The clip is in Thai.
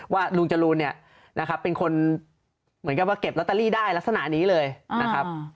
ว่าลุงจรูลเป็นคนเหมือนกับว่าเก็บลอตเตอรี่ได้ลักษณะนี้เลยนะครับ